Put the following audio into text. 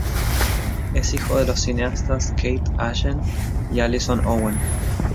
Es hijo de los cineastas Keith Allen y Alison Owen.